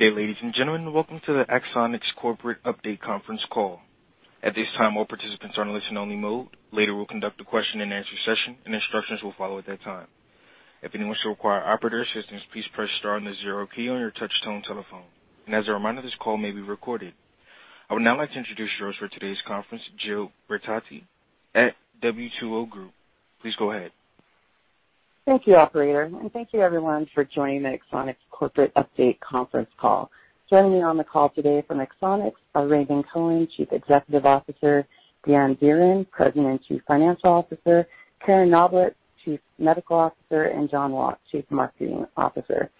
Good day, ladies and gentlemen. Welcome to the Axonics corporate update conference call. At this time, all participants are in listen-only mode. Later, we'll conduct a question-and-answer session, and instructions will follow at that time. If anyone should require operator assistance, please press star and the zero key on your touchtone telephone. As a reminder, this call may be recorded. I would now like to introduce yours for today's conference, Jill Bertotti at W2O Group. Please go ahead. Thank you, operator, and thank you everyone for joining the Axonics corporate update conference call. Joining me on the call today from Axonics are Ray Cohen, Chief Executive Officer, Dan Dearen, President and Chief Financial Officer, Karen Noblett, Chief Medical Officer, and John Woock, Chief Marketing Officer.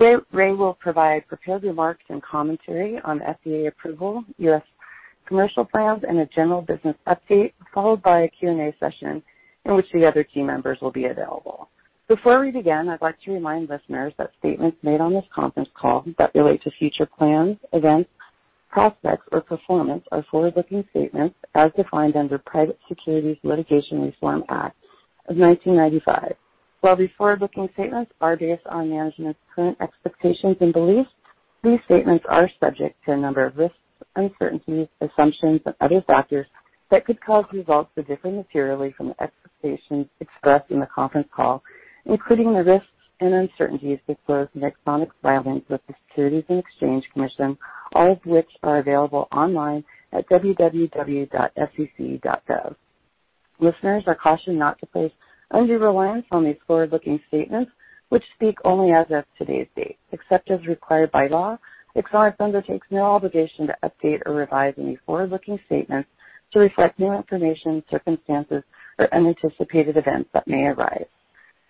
Ray will provide prepared remarks and commentary on FDA approval, U.S. commercial plans, and a general business update, followed by a Q&A session in which the other team members will be available. Before we begin, I'd like to remind listeners that statements made on this conference call that relate to future plans, events, prospects, or performance are forward-looking statements as defined under Private Securities Litigation Reform Act of 1995. While these forward-looking statements are based on management's current expectations and beliefs, these statements are subject to a number of risks, uncertainties, assumptions and other factors that could cause results to differ materially from the expectations expressed in the conference call, including the risks and uncertainties disclosed in Axonics' filings with the Securities and Exchange Commission, all of which are available online at www.sec.gov. Listeners are cautioned not to place undue reliance on these forward-looking statements, which speak only as of today's date. Except as required by law, Axonics undertakes no obligation to update or revise any forward-looking statements to reflect new information, circumstances, or unanticipated events that may arise.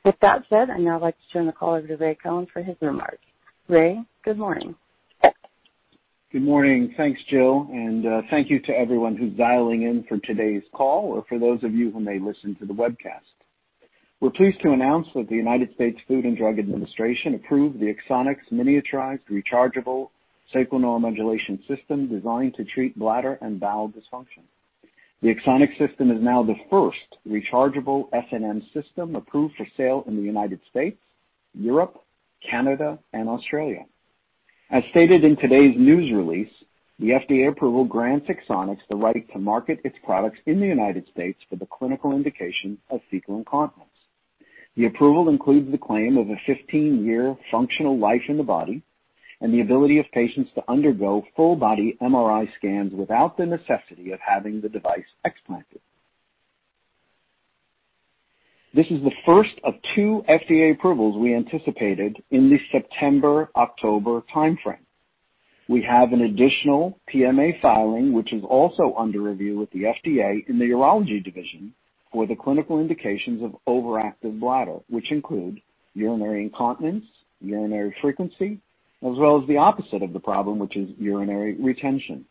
With that said, I'd now like to turn the call over to Ray Cohen for his remarks. Ray, good morning. Good morning. Thanks, Jill, thank you to everyone who's dialing in for today's call or for those of you who may listen to the webcast. We're pleased to announce that the U.S. Food and Drug Administration approved the Axonics Miniaturized Rechargeable Sacral Neuromodulation System designed to treat bladder and bowel dysfunction. The Axonics system is now the first rechargeable SNM system approved for sale in the U.S., Europe, Canada and Australia. As stated in today's news release, the FDA approval grants Axonics the right to market its products in the U.S. for the clinical indication of fecal incontinence. The approval includes the claim of a 15-year functional life in the body and the ability of patients to undergo full-body MRI scans without the necessity of having the device explanted. This is the first of two FDA approvals we anticipated in the September-October timeframe. We have an additional PMA filing, which is also under review with the FDA in the urology division for the clinical indications of overactive bladder, which include urinary incontinence, urinary frequency, as well as the opposite of the problem, which is urinary retention.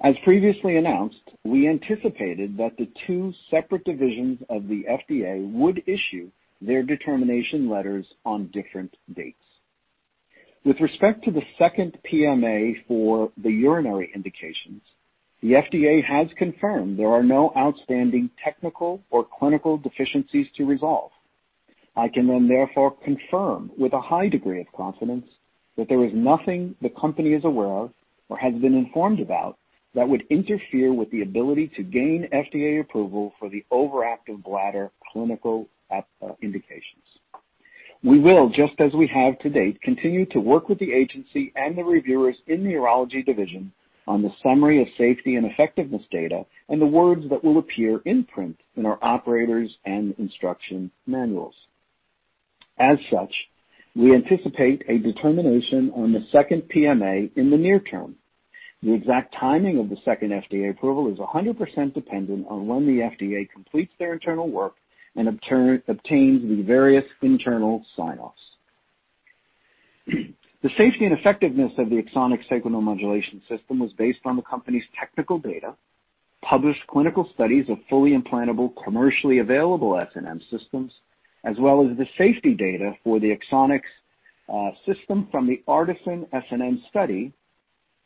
As previously announced, we anticipated that the two separate divisions of the FDA would issue their determination letters on different dates. With respect to the second PMA for the urinary indications, the FDA has confirmed there are no outstanding technical or clinical deficiencies to resolve. I can therefore confirm with a high degree of confidence that there is nothing the company is aware of or has been informed about that would interfere with the ability to gain FDA approval for the overactive bladder clinical indications. We will, just as we have to date, continue to work with the agency and the reviewers in the urology division on the summary of safety and effectiveness data and the words that will appear in print in our operators and instruction manuals. As such, we anticipate a determination on the second PMA in the near term. The exact timing of the second FDA approval is 100% dependent on when the FDA completes their internal work and obtains the various internal sign-offs. The safety and effectiveness of the Axonics sacral neuromodulation system was based on the company's technical data, published clinical studies of fully implantable, commercially available SNM systems, as well as the safety data for the Axonics system from the ARTISAN-SNM study,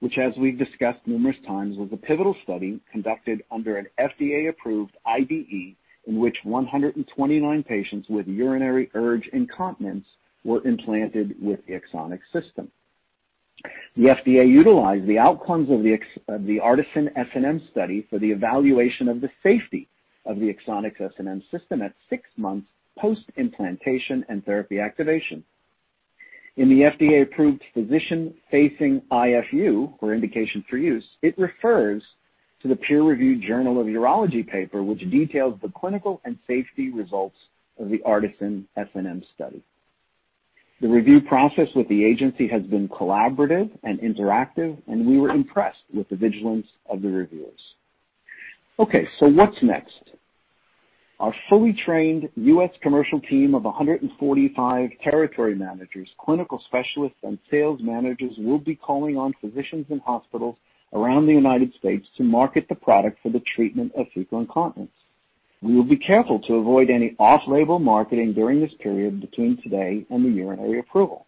which, as we've discussed numerous times, was a pivotal study conducted under an FDA-approved IDE in which 129 patients with urinary urge incontinence were implanted with the Axonics system. The FDA utilized the outcomes of the ARTISAN-SNM study for the evaluation of the safety of the Axonics SNM system at six months post implantation and therapy activation. In the FDA-approved physician-facing IFU or indication for use, it refers to the peer-reviewed Journal of Urology paper, which details the clinical and safety results of the ARTISAN-SNM study. The review process with the agency has been collaborative and interactive. We were impressed with the vigilance of the reviewers. What's next? Our fully trained U.S. commercial team of 145 territory managers, clinical specialists, and sales managers will be calling on physicians and hospitals around the United States to market the product for the treatment of fecal incontinence. We will be careful to avoid any off-label marketing during this period between today and the urinary approval.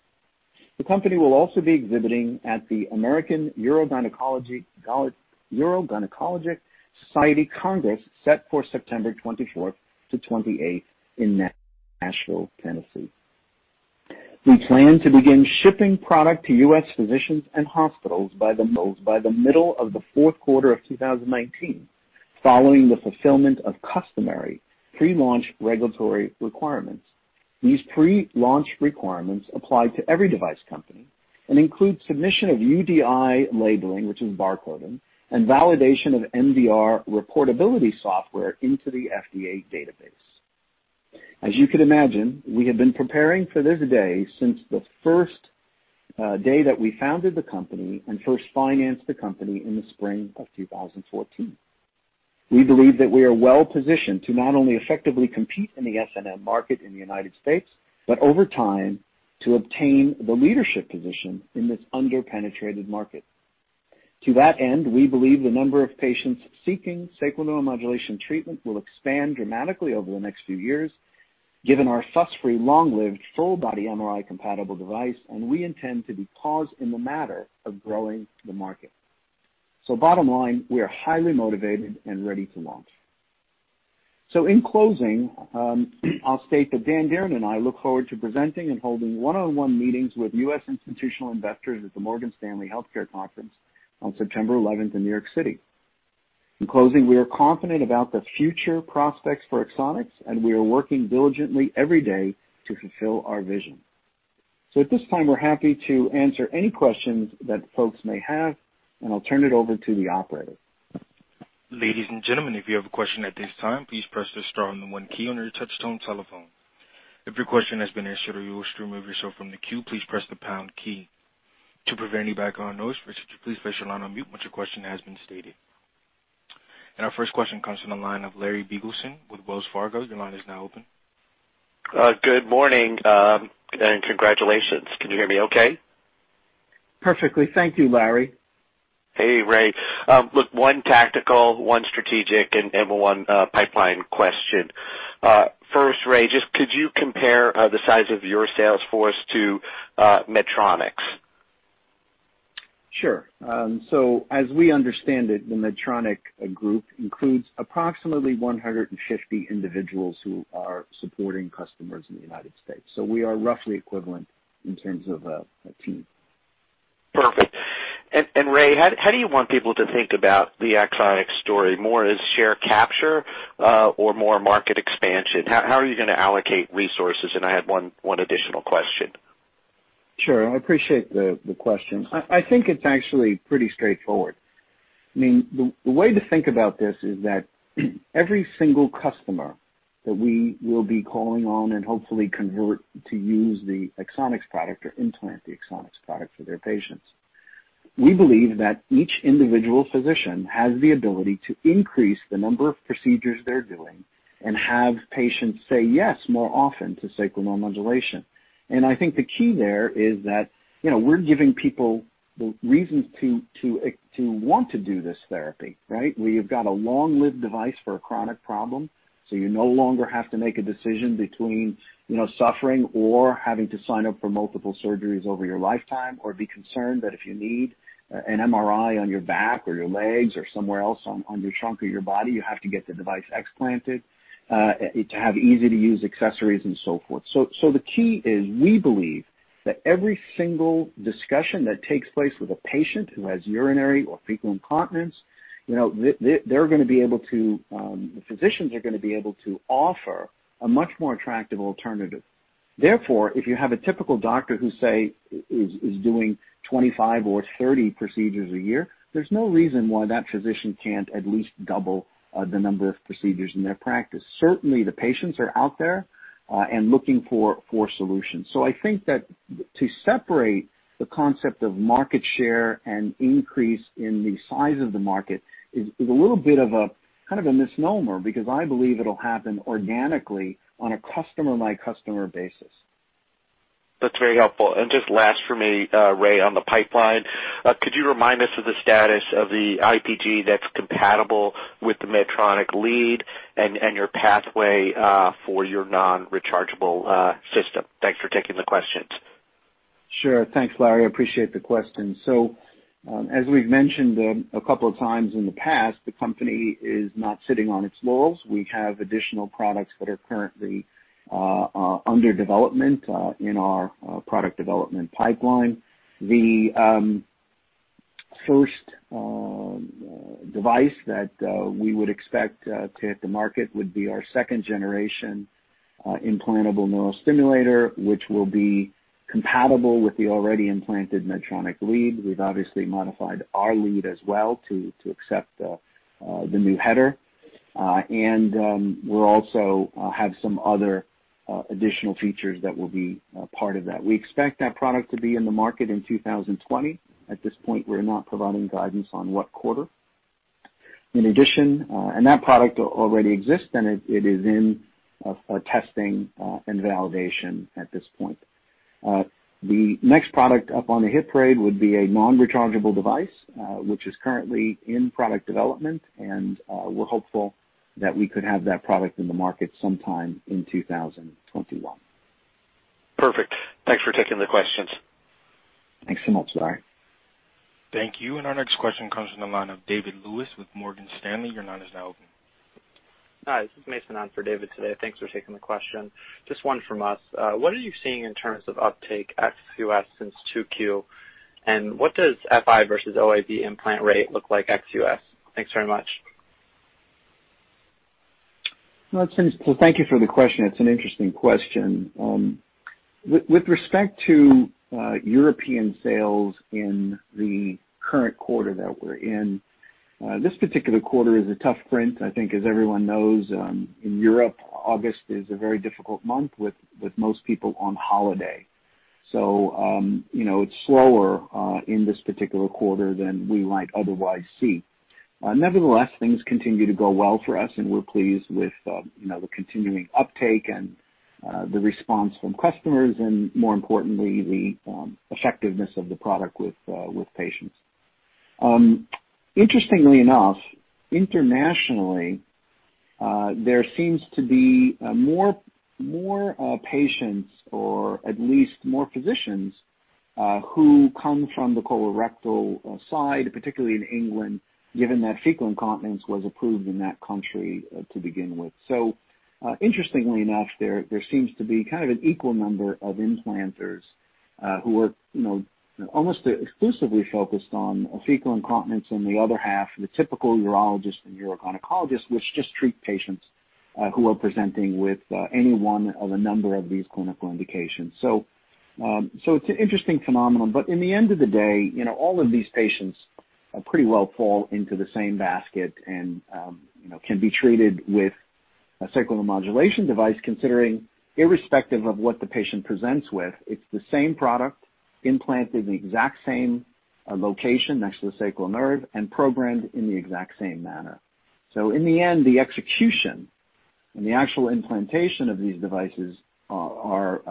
The company will also be exhibiting at the American Urogynecologic Society Congress set for September 24th to 28th in Nashville, Tennessee. We plan to begin shipping product to U.S. physicians and hospitals by the middle of the fourth quarter of 2019, following the fulfillment of customary pre-launch regulatory requirements. These pre-launch requirements apply to every device company and include submission of UDI labeling, which is barcoding, and validation of MDR reportability software into the FDA database. As you can imagine, we have been preparing for this day since the first day that we founded the company and first financed the company in the spring of 2014. We believe that we are well-positioned to not only effectively compete in the SNM market in the U.S., but over time to obtain the leadership position in this under-penetrated market. To that end, we believe the number of patients seeking sacral neuromodulation treatment will expand dramatically over the next few years, given our fuss-free, long-lived, full-body MRI compatible device, and we intend to be a cause in the matter of growing the market. Bottom line, we are highly motivated and ready to launch. In closing, I'll state that Dan Dearen and I look forward to presenting and holding one-on-one meetings with U.S. institutional investors at the Morgan Stanley Global Healthcare Conference on September 11th in New York City. In closing, we are confident about the future prospects for Axonics, and we are working diligently every day to fulfill our vision. At this time, we're happy to answer any questions that folks may have, and I'll turn it over to the operator. Ladies and gentlemen, if you have a question at this time, please press the star and the one key on your touchtone telephone. If your question has been answered or you wish to remove yourself from the queue, please press the pound key. To prevent any background noise, would you please place your line on mute once your question has been stated? Our first question comes from the line of Larry Biegelsen with Wells Fargo. Your line is now open. Good morning, and congratulations. Can you hear me okay? Perfectly. Thank you, Larry. Hey, Ray. One tactical, one strategic, and one pipeline question. Ray, just could you compare the size of your sales force to Medtronic's? Sure. As we understand it, the Medtronic group includes approximately 150 individuals who are supporting customers in the United States. We are roughly equivalent in terms of a team. Perfect. Ray, how do you want people to think about the Axonics story more as share capture or more market expansion? How are you going to allocate resources? I had one additional question. Sure. I appreciate the question. I think it's actually pretty straightforward. The way to think about this is that every single customer that we will be calling on and hopefully convert to use the Axonics product or implant the Axonics product for their patients. We believe that each individual physician has the ability to increase the number of procedures they're doing and have patients say yes more often to sacral neuromodulation. I think the key there is that we're giving people the reasons to want to do this therapy, right? Where you've got a long-lived device for a chronic problem, you no longer have to make a decision between suffering or having to sign up for multiple surgeries over your lifetime or be concerned that if you need an MRI on your back or your legs or somewhere else on your trunk or your body, you have to get the device explanted, to have easy-to-use accessories and so forth. The key is we believe that every single discussion that takes place with a patient who has urinary or fecal incontinence, the physicians are going to be able to offer a much more attractive alternative. Therefore, if you have a typical doctor who, say, is doing 25 or 30 procedures a year, there's no reason why that physician can't at least double the number of procedures in their practice. Certainly, the patients are out there and looking for solutions. I think that to separate the concept of market share and increase in the size of the market is a little bit of a misnomer, because I believe it'll happen organically on a customer-by-customer basis. That's very helpful. Just last for me, Ray, on the pipeline. Could you remind us of the status of the IPG that's compatible with the Medtronic lead and your pathway for your non-rechargeable system? Thanks for taking the questions. Sure. Thanks, Larry. I appreciate the question. As we've mentioned a couple of times in the past, the company is not sitting on its laurels. We have additional products that are currently under development in our product development pipeline. The first device that we would expect to hit the market would be our second-generation implantable neural simulator, which will be compatible with the already implanted Medtronic lead. We've obviously modified our lead as well to accept the new header. We'll also have some other additional features that will be part of that. We expect that product to be in the market in 2020. At this point, we're not providing guidance on what quarter. That product already exists, and it is in testing and validation at this point. The next product up on the hit parade would be a non-rechargeable device, which is currently in product development, and we're hopeful that we could have that product in the market sometime in 2021. Perfect. Thanks for taking the questions. Thanks so much. Bye. Thank you. Our next question comes from the line of David Lewis with Morgan Stanley. Your line is now open. Hi, this is Mason on for David today. Thanks for taking the question. Just one from us. What are you seeing in terms of uptake ex-US since 2Q? What does FI versus OAB implant rate look like ex-US? Thanks very much. Well, thank you for the question. It's an interesting question. With respect to European sales in the current quarter that we're in, this particular quarter is a tough print. I think as everyone knows, in Europe, August is a very difficult month with most people on holiday. It's slower in this particular quarter than we might otherwise see. Things continue to go well for us, and we're pleased with the continuing uptake and the response from customers and more importantly, the effectiveness of the product with patients. Internationally, there seems to be more patients, or at least more physicians who come from the colorectal side, particularly in England, given that fecal incontinence was approved in that country to begin with. Interestingly enough, there seems to be kind of an equal number of implanters who are almost exclusively focused on fecal incontinence and the other half are the typical urologist and urogynencologist, which just treat patients who are presenting with any one of a number of these clinical indications. It's an interesting phenomenon, but in the end of the day, all of these patients pretty well fall into the same basket and can be treated with a sacral neuromodulation device considering irrespective of what the patient presents with, it's the same product implanted in the exact same location next to the sacral nerve and programmed in the exact same manner. In the end, the execution and the actual implantation of these devices are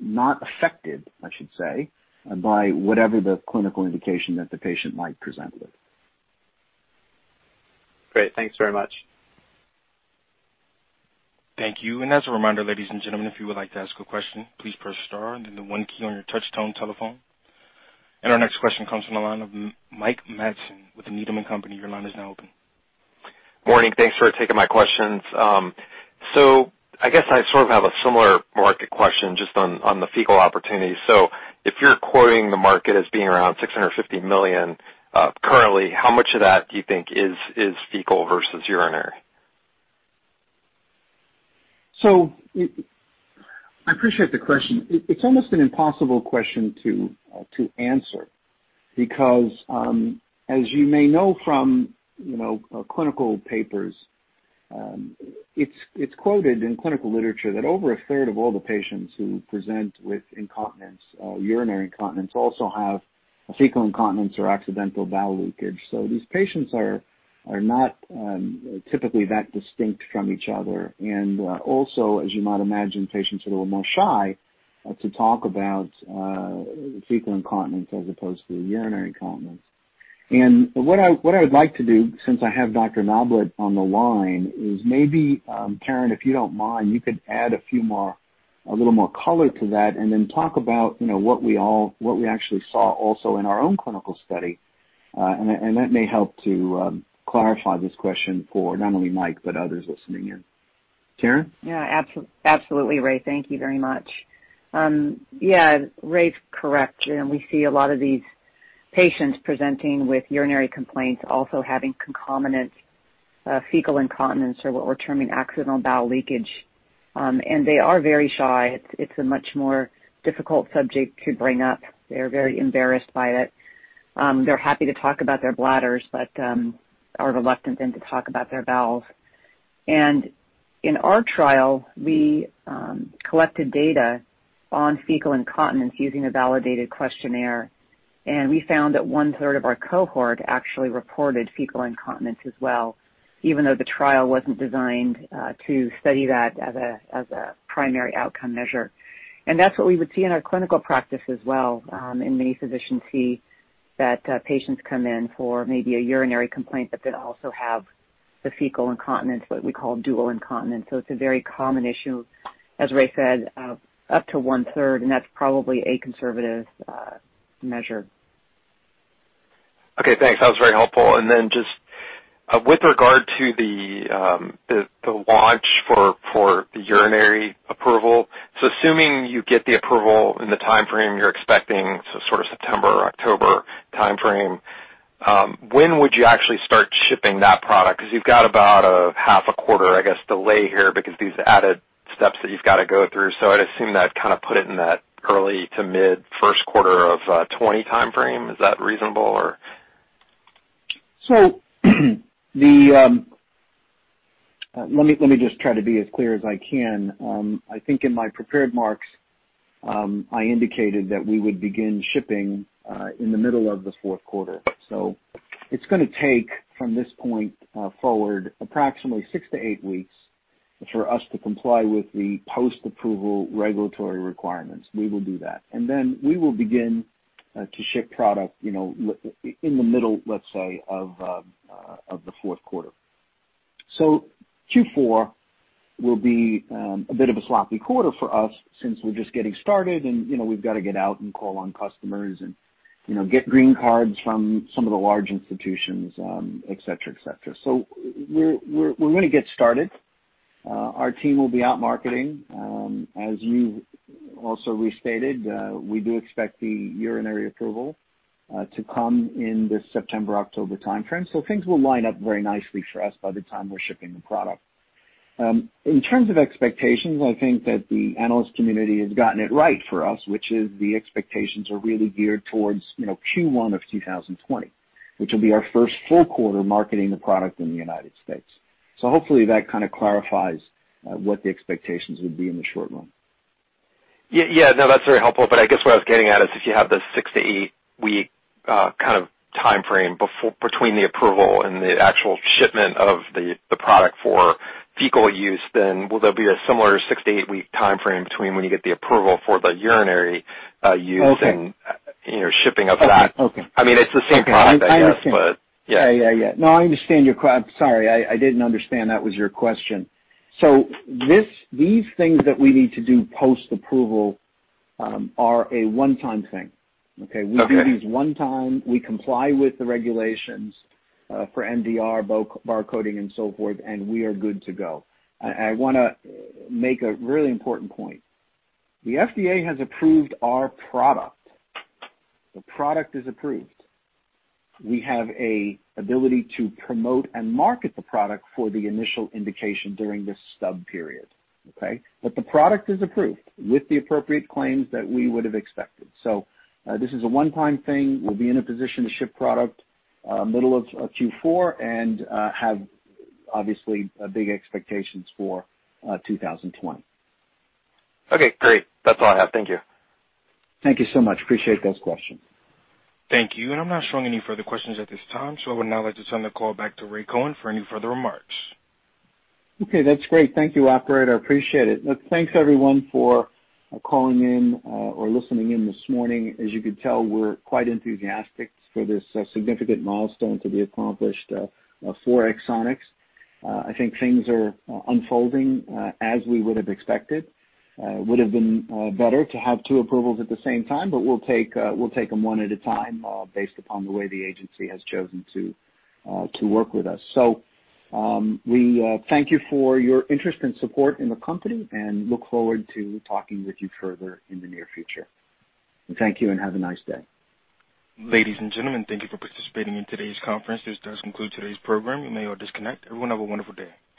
not affected, I should say, by whatever the clinical indication that the patient might present with. Great. Thanks very much. Thank you. As a reminder, ladies and gentlemen, if you would like to ask a question, please press star and then the one key on your touch tone telephone. Our next question comes from the line of Mike Matson with Needham & Company. Your line is now open. Morning. Thanks for taking my questions. I guess I sort of have a similar market question just on the fecal opportunity. If you're quoting the market as being around $650 million currently, how much of that do you think is fecal versus urinary? I appreciate the question. It's almost an impossible question to answer because, as you may know from clinical papers, it's quoted in clinical literature that over a third of all the patients who present with incontinence, urinary incontinence, also have fecal incontinence or accidental bowel leakage. These patients are not typically that distinct from each other. Also, as you might imagine, patients that are more shy to talk about fecal incontinence as opposed to urinary incontinence. What I would like to do, since I have Karen Noblett on the line, is maybe, Karen, if you don't mind, you could add a little more color to that and then talk about what we actually saw also in our own clinical study. That may help to clarify this question for not only Mike, but others listening in. Karen? Yeah. Absolutely, Ray. Thank you very much. Yeah, Ray's correct. We see a lot of these patients presenting with urinary complaints, also having concomitant fecal incontinence or what we're terming accidental bowel leakage. They are very shy. It's a much more difficult subject to bring up. They're very embarrassed by it. They're happy to talk about their bladders, but are reluctant then to talk about their bowels. In our trial, we collected data on fecal incontinence using a validated questionnaire, and we found that one third of our cohort actually reported fecal incontinence as well, even though the trial wasn't designed to study that as a primary outcome measure. That's what we would see in our clinical practice as well. Many physicians see that patients come in for maybe a urinary complaint, but then also have the fecal incontinence, what we call dual incontinence. It's a very common issue, as Ray said, up to one third, and that's probably a conservative measure. Okay, thanks. That was very helpful. Just with regard to the launch for the urinary approval. Assuming you get the approval in the timeframe you're expecting, sort of September or October timeframe, when would you actually start shipping that product? You've got about a half a quarter, I guess, delay here because these added steps that you've got to go through. I'd assume that kind of put it in that early to mid first quarter of 2020 timeframe. Is that reasonable? Let me just try to be as clear as I can. I think in my prepared remarks, I indicated that we would begin shipping in the middle of the fourth quarter. It's going to take from this point forward, approximately six to eight weeks for us to comply with the post-approval regulatory requirements. We will do that. We will begin to ship product in the middle, let's say, of the fourth quarter. Q4 will be a bit of a sloppy quarter for us since we're just getting started and we've got to get out and call on customers and get green cards from some of the large institutions, et cetera. We're going to get started. Our team will be out marketing. As you also restated, we do expect the urinary approval to come in the September-October timeframe. Things will line up very nicely for us by the time we're shipping the product. In terms of expectations, I think that the analyst community has gotten it right for us, which is the expectations are really geared towards Q1 of 2020, which will be our first full quarter marketing the product in the U.S. Hopefully that kind of clarifies what the expectations would be in the short run. Yeah. No, that's very helpful. I guess what I was getting at is if you have the six to eight week kind of timeframe between the approval and the actual shipment of the product for fecal use, will there be a similar six to eight week timeframe between when you get the approval for the urinary use? Okay. Shipping of that? Okay. I mean, it's the same product, I guess, but yeah. Yeah. No, I'm sorry. I didn't understand that was your question. These things that we need to do post-approval are a one-time thing. Okay? Okay. We do these one time. We comply with the regulations for MDR, bar coding and so forth, and we are good to go. I want to make a really important point. The FDA has approved our product. The product is approved. We have an ability to promote and market the product for the initial indication during this sub-period. Okay? The product is approved with the appropriate claims that we would have expected. This is a one-time thing. We'll be in a position to ship product middle of Q4 and have obviously big expectations for 2020. Okay, great. That's all I have. Thank you. Thank you so much. Appreciate those questions. Thank you. I'm not showing any further questions at this time, so I would now like to turn the call back to Raymond Cohen for any further remarks. Okay, that's great. Thank you, operator. I appreciate it. Look, thanks everyone for calling in or listening in this morning. As you can tell, we're quite enthusiastic for this significant milestone to be accomplished for Axonics. I think things are unfolding as we would have expected. Would've been better to have two approvals at the same time, but we'll take them one at a time based upon the way the agency has chosen to work with us. We thank you for your interest and support in the company and look forward to talking with you further in the near future. Thank you and have a nice day. Ladies and gentlemen, thank you for participating in today's conference. This does conclude today's program. You may all disconnect. Everyone have a wonderful day.